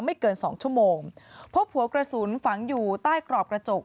เกินสองชั่วโมงพบหัวกระสุนฝังอยู่ใต้กรอบกระจก